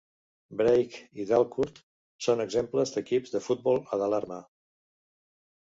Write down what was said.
Brage i Dalkurd són exemples d"equips de futbol a Dalarna.